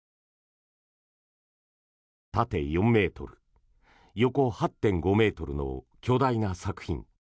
縦４ｍ、横８．５ｍの巨大な作品。